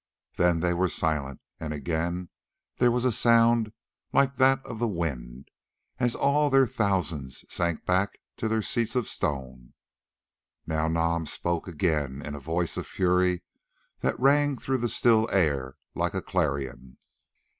Then they were silent, and again there was a sound like that of the wind, as all their thousands sank back to the seats of stone. Now Nam spoke again in a voice of fury that rang through the still air like a clarion.